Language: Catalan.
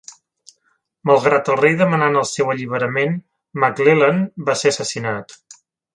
Malgrat el rei demanant el seu alliberament, Maclellan va ser assassinat.